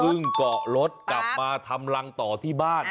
จึงเกาะรถมาทำรังต่อที่บ้าน